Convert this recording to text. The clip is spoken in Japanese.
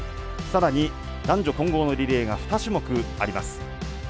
さらに、男女混合のリレーが２種目あります。